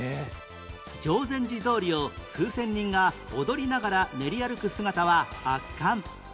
定禅寺通を数千人が踊りながら練り歩く姿は圧巻